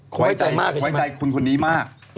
เขาน่าจะมากใช่มั้ยคุณนี้มาก